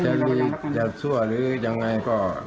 จะมีจะชั่วหรือยังไงก็